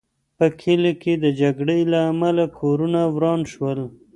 په کلي کې د جګړې له امله کورونه وران شول.